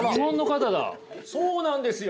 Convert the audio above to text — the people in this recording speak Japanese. そうなんですよ。